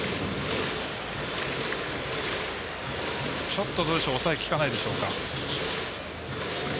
ちょっと抑えきかないでしょうか。